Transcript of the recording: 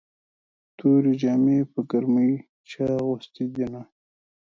تورې جامې په ګرمۍ چا اغوستې دينه